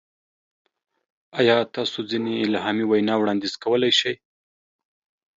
ایا تاسو ځینې الهامي وینا وړاندیز کولی شئ؟